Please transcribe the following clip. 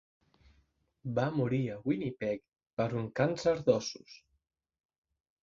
Va morir a Winnipeg per un càncer d'ossos.